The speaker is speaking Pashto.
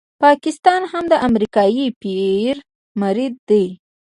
پاکستان هم د امریکایي پیر مرید دی.